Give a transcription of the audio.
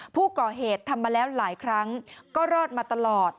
ผู้ก่อเหตุทำมาแล้วหลายครั้งก็รอดมาตลอด